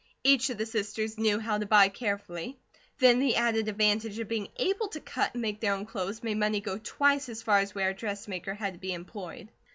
Each of the sisters knew how to buy carefully; then the added advantage of being able to cut and make their own clothes, made money go twice as far as where a dressmaker had to be employed.